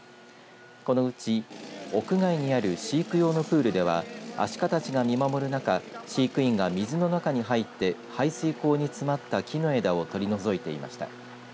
このうち屋外にある飼育用のプールではアシカたちが見守る中飼育員が水の中に入って排水溝に詰まった木の枝を取り除いていました。